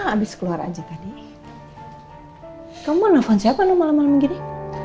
habis keluar aja tadi kamu nelfon siapa lu malam malam gini